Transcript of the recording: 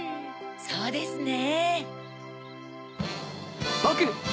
そうですね。